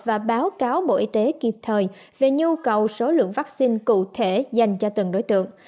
và báo cáo bộ y tế kịp thời về nhu cầu số lượng vaccine cụ thể dành cho từng đối tượng